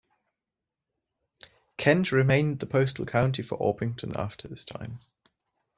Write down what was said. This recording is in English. Kent remained the postal county for Orpington after this time.